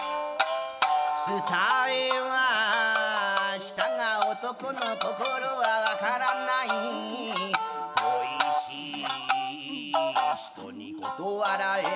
「伝えはしたが男の心はわからない」「恋しい人に断られ」